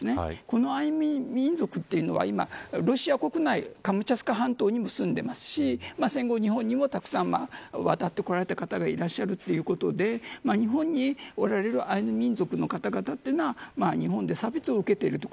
このアイヌ民族というのは今、ロシア国内カムチャツカ半島にも住んでいますし戦後、日本にもたくさん渡ってこられた方がいらっしゃるということで日本におられるアイヌ民族の方々というのは日本で差別を受けていると。